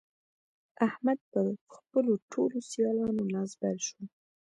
احمد پر خپلو ټولو سيالانو لاس بر شو.